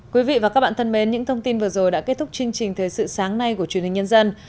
quý vị và các bạn thân mến những thông tin vừa rồi đã kết thúc chương trình thời sự sáng nay của truyền hình nhân dân